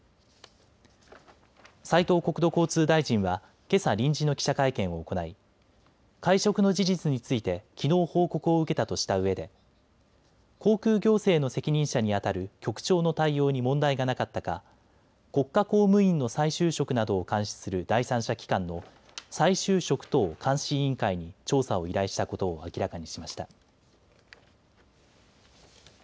斉藤国土交通大臣はけさ臨時の記者会見を行い会食の事実についてきのう報告を受けたとしたうえで航空行政の責任者にあたる局長の対応に問題がなかったか国家公務員の再就職などを監視する第三者機関の再就職等監視委員会に調査を依頼したことを明らかにしました。